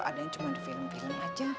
adanya cuma di film film aja